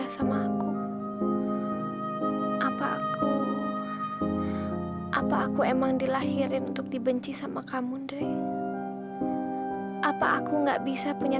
sampai jumpa di video selanjutnya